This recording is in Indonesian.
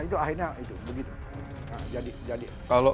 itu akhirnya begitu